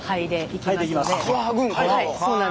そうなんです。